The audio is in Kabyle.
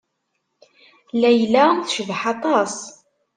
Layla tecbeḥ aṭas.